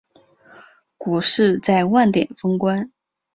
股市在万点封关